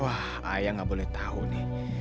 wah ayah nggak boleh tahu nih